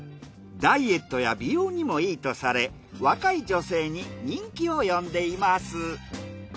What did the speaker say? ダイエットや美容にもいいとされ若い女性に人気を呼んでいます。